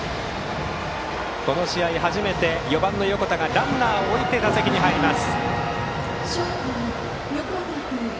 この試合初めて、４番の横田がランナーを置いて打席に入ります。